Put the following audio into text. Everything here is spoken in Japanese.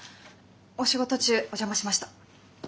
お仕事中お邪魔しました！